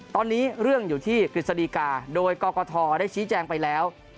ตอนนี้เรื่องอยู่ที่กฤษฎีกาโดยกรกฐได้ชี้แจงไปแล้ว